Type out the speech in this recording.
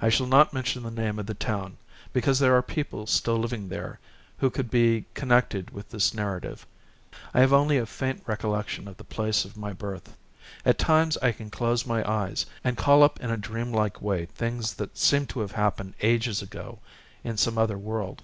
I shall not mention the name of the town, because there are people still living there who could be connected with this narrative. I have only a faint recollection of the place of my birth. At times I can close my eyes and call up in a dreamlike way things that seem to have happened ages ago in some other world.